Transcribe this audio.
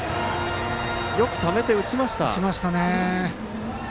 よくためて打ちました。